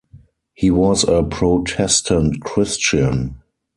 He was a Protestant Christian.